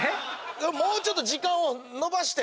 もうちょっと時間を延ばして。